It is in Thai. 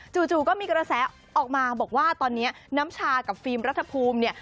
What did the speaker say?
จู่ก็มีกระแสออกมาบอกว่าตอนนี้น้ำชากับฟิล์มรัฐภูมิเนี่ย